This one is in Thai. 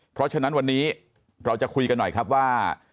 เพราะฉะนั้นวันนี้เราจะคุยกันหน่อยครับว่า